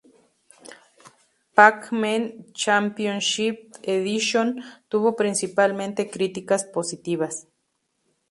Pac-Man Championship Edition tuvo principalmente críticas positivas.